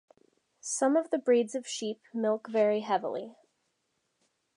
Some of the breeds of sheep milk very heavily.